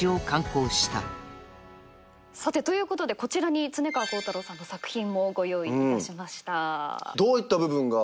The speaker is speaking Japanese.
さてということでこちらに恒川光太郎さんの作品もご用意いたしました。